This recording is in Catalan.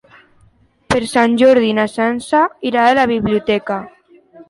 Per Sant Jordi na Sança irà a la biblioteca.